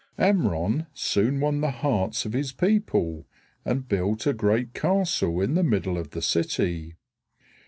Amron soon won the hearts of his people and built a great castle in the middle of the city.